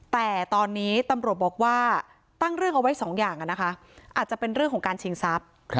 แต่ตอนนี้ตำรวจบอกว่าตั้งเรื่องเอาไว้สองอย่างนะคะอาจจะเป็นเรื่องของการชิงทรัพย์